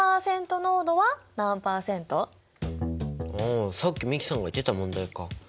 あさっき美樹さんが言っていた問題か。